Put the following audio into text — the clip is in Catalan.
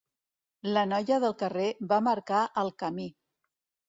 La noia del carrer va marcar el camí.